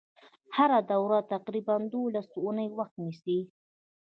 هره دوره تقریبا دولس اونۍ وخت نیسي.